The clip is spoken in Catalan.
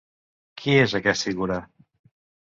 Qui és, aquest figura?